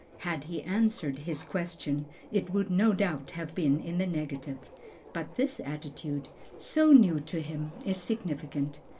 Had he answered his question, it would no doubt have been in the negative; but this attitude, so new to him, is significant.